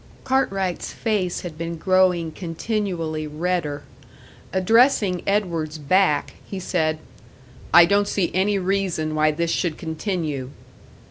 Cartwright's face had been growing continually redder. Addressing Edward's back, he said, "I don't see any reason why this should continue."